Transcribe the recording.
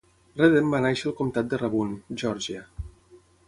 Redden va néixer al comtat de Rabun, Geòrgia.